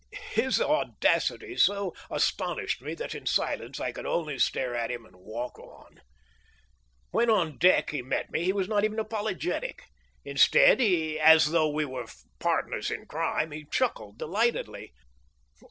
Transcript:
His audacity so astonished me that in silence I could only stare at him and walk on. When on deck he met me he was not even apologetic. Instead, as though we were partners in crime, he chuckled delightedly.